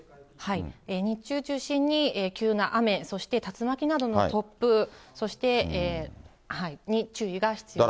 日中中心に、急な雨、そして竜巻などの突風、に注意が必要です。